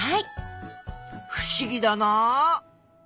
ふしぎだな。